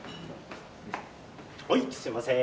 はいすいません。